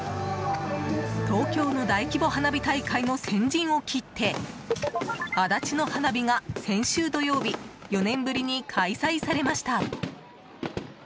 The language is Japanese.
東京の大規模花火大会の先陣を切って足立の花火が、先週土曜日４年ぶりに開催されました。